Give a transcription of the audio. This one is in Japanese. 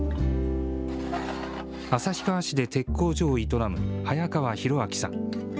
旭川市で鉄工所を営む早川裕朗さん。